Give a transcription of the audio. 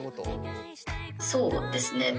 そうですね。